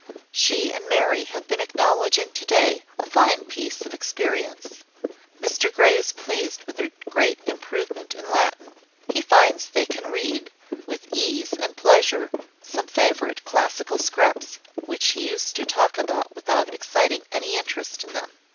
She and Mary have been acknowledging to day a fine piece of experience. Mr Grey is pleased with their great Improvement in Latin. He finds they can read, with ease and pleasure, some favourite classical scraps which he used to talk about without exciting any interest in them.